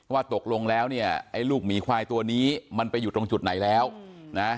ว่าตกลงแล้วเนี่ยไอ้ลูกหมีควายตัวนี้มันไปอยู่ตรงจุดไหนแล้วนะ